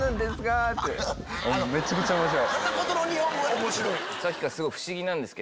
めちゃくちゃ面白かった。